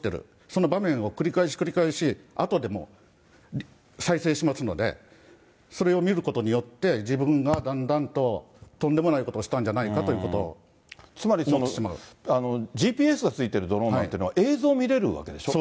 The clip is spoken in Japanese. その場面を繰り返し繰り返し、あとでも再生しますので、それを見ることによって、自分がだんだんととんでもないことをしたんじゃないかということつまり、ＧＰＳがついてるドローンっていうのは、映像を見れるわけでしょ。